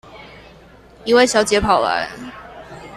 一位小姐跑來